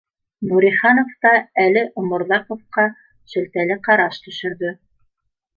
Нуриханов та әле Оморҙаҡовҡа шелтәле ҡараш төшөрҙө